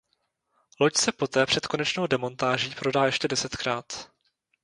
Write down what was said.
Loď se poté před konečnou demontáží prodá ještě desetkrát.